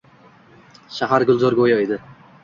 . Shahar gulzor go‘yo edi.